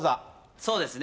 そうですね。